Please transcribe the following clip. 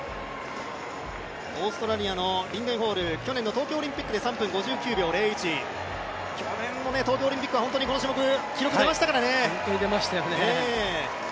オーストラリアのリンデン・ホール去年の東京オリンピックで３分５９秒０１、去年の東京オリンピックはこの種目、記録出ましたからね。